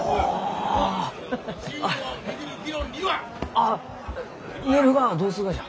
あっ寝るがはどうするがじゃ？